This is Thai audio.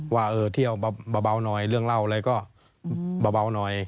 ว่าเออเที่ยวเบาน้อยเรื่องเล่าเลยก็เบาน้อย